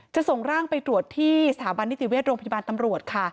ส่งร่างไปตรวจที่สถาบันนิติเวชโรงพยาบาลตำรวจค่ะ